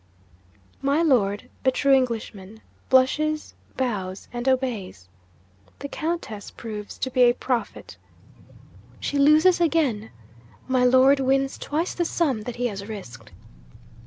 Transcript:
My Lord (a true Englishman) blushes, bows, and obeys. The Countess proves to be a prophet. She loses again. My Lord wins twice the sum that he has risked.